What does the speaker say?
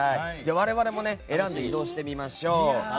我々も選んで移動してみましょう。